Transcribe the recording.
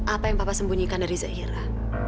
apa yang papa sembunyikan dari zahira